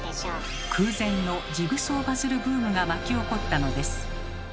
空前のジグソーパズルブームが巻き起こったのです。